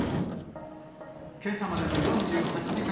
けさまでの４８時間